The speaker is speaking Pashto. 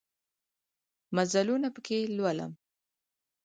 مزلونه پکښې لولم